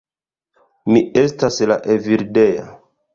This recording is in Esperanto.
Mi estas la Evildea.